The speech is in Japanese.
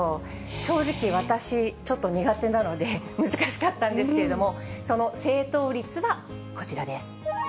正直、私、ちょっと苦手なので、難しかったんですけれども、その正答率はこちらです。